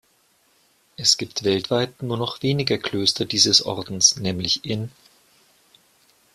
Es gibt weltweit nur noch wenige Klöster dieses Ordens, nämlich in